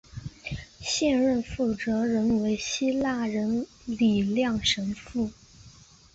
现任负责人为希腊人李亮神父。